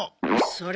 それ！